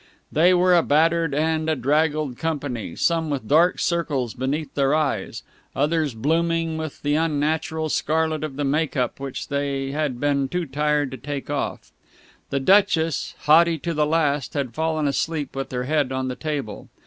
They were a battered and a draggled company, some with dark circles beneath their eyes, others blooming with the unnatural scarlet of the make up which they had been too tired to take off. The Duchess, haughty to the last, had fallen asleep with her head on the table.